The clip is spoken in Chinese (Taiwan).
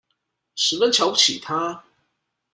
十分瞧不起他